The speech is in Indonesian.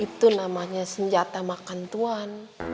itu namanya senjata makan tuhan